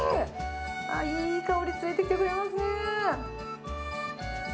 あー、いい香り連れてきてくれますね。